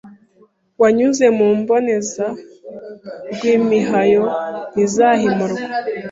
Wanyuze mu Mbone za Rwimihayo ntizahimurwa